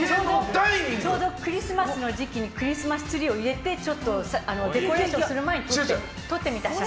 ちょうどクリスマスの時期にクリスマスツリーを入れてちょっとデコレーションする前に撮ってみた写真。